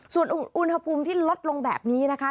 ส่วนอุณหภูมิที่ลดลงแบบนี้นะคะ